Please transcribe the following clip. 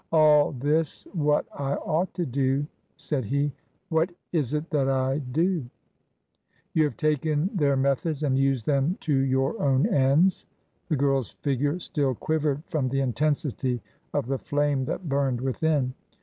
" All this what I ought to do," said he ;" what is it that I do ?" "You have taken their methods and used them to your own ends." The girl's figure still quivered from the intensity of the flame that burned within.